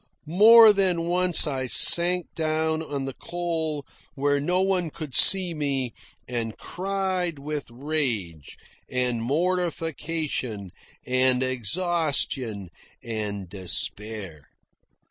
More than once I sank down on the coal where no one could see me, and cried with rage, and mortification, and exhaustion, and despair.